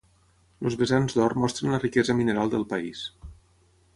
Els besants d'or mostren la riquesa mineral del país.